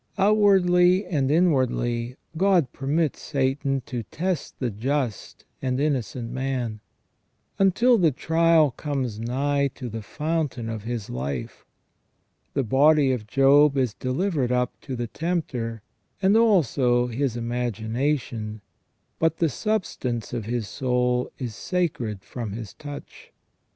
Outwardly and inwardly God permits Satan to test the just and innocent man, until the trial comes nigh to the fountain of his life. The body of Job is delivered up to the tempter, and also his imagination, but the substance of the soul is sacred from his touch.